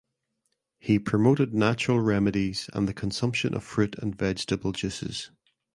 He promoted natural remedies and the consumption of fruit and vegetable juices.